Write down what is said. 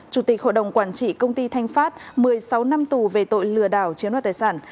chủ tịch hội đồng quản trị công ty thanh phát một mươi sáu năm tù về tội lừa đảo chiếm đoạt tài sản